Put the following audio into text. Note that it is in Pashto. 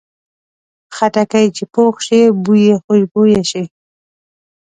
خټکی چې پوخ شي، بوی یې خوشبویه شي.